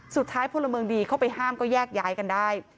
สุดท้ายพวกละเมิงดีเขาไปห้ามก็แยกย้ายกันได้